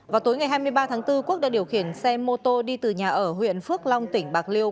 vào tối ngày hai mươi ba tháng bốn quốc đã điều khiển xe mô tô đi từ nhà ở huyện phước long tỉnh bạc liêu